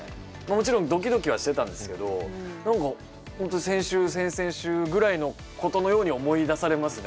もちろんドキドキはしてたんですけど何か本当に先週先々週ぐらいのことのように思い出されますね